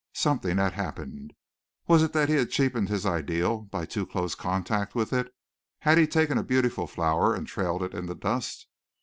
Something had happened. Was it that he had cheapened his ideal by too close contact with it? Had he taken a beautiful flower and trailed it in the dust?